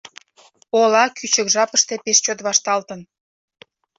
Ола кӱчык жапыште пеш чот вашталтын.